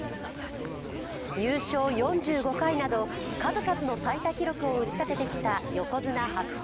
優勝４５回など数々の最多記録を打ち立ててきた横綱・白鵬。